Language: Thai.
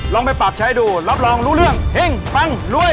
ลองไปปรับใช้ดูรับรองรู้เรื่องเฮ่งปังรวย